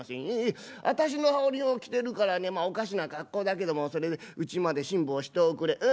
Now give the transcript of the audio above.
ええ私の羽織を着てるからねまあおかしな格好だけどもそれでうちまで辛抱しておくれ。